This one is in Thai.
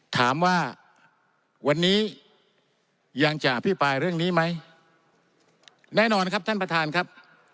ถามว่าวันนี้ยังจะอภิปรายเรื่องนี้ไหมแน่นอนครับท่านประธานครับ